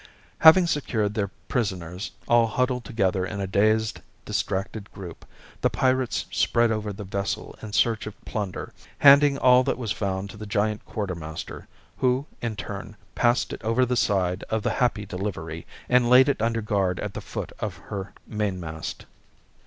Having secured their prisoners, all huddled together in a dazed, distracted group, the pirates spread over the vessel in search of plunder, handing all that was found to the giant quartermaster, who in turn passed it over the side of The Happy Delivery and laid it under guard at the foot of her mainmast.